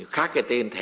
khác cái tên thẻ